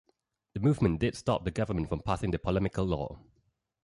The movement did stop the government from passing the polemical Law.